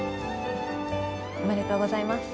おめでとうございます。